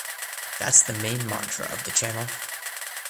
That’s the main mantra of the channel.